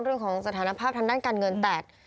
เรื่องของสถานภาพทางด้านการเงินแตก